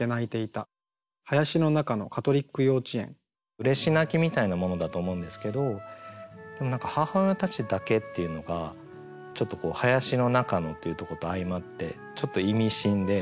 うれし泣きみたいなものだと思うんですけどでも何か「母親たちだけ」っていうのがちょっと「林の中の」というとこと相まってちょっと意味深で。